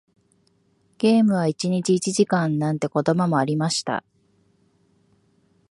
ゲームは一日一時間なんて言葉もありました。